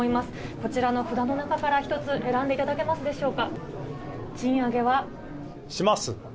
こちらの札の中から１つ、選んでいただけますでしょうか。